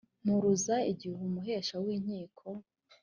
mpuruza igihe umuhesha w inkiko